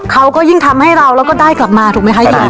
เขาก็ยิ่งทำให้เราแล้วก็ได้กลับมาถูกไหมคะเฮีย